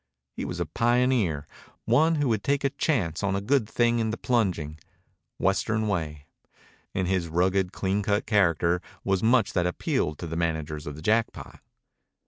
He was a pioneer, one who would take a chance on a good thing in the plunging, Western way. In his rugged, clean cut character was much that appealed to the managers of the Jackpot.